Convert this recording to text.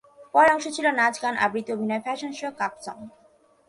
পরের অংশে ছিল নাচ, গান, আবৃত্তি, অভিনয়, ফ্যাশন শো, কাপ সং।